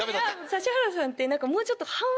指原さんってもうちょっと。